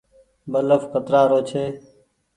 بلڦ ڪترآ رو ڇي۔